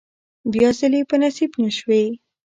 بیا ځلې په نصیب نشوې.